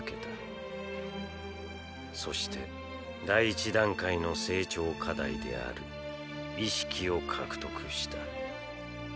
そして第１段階の成長課題である「意識」を獲得した。